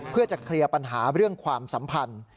เพื่อจะเคลียร์ปัญหาเรื่องความสัมพันธ์